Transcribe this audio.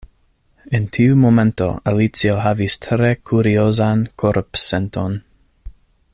En tiu momento Alicio havis tre kuriozan korpsenton.